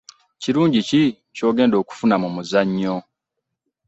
Kirungi ki ky'ogenda okufuna mu muzanyo?